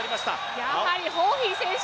やはりホーヒー選手